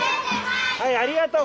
はいありがとう。